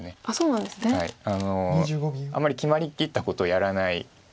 あのあまり決まりきったことをやらない。